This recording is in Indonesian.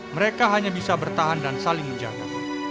mereka hanya bisa bertahan dan saling menjaga